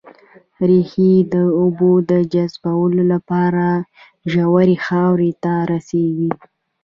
ريښه د اوبو جذبولو لپاره ژورې خاورې ته رسېږي